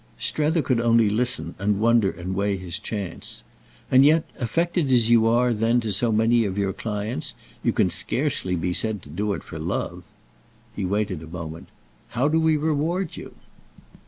Strether could only listen and wonder and weigh his chance. "And yet, affected as you are then to so many of your clients, you can scarcely be said to do it for love." He waited a moment. "How do we reward you?"